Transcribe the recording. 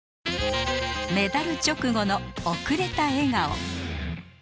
メダル直後の遅れた笑顔。